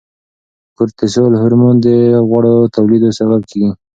کورتیسول هورمون د غوړو ټولېدو سبب کیږي.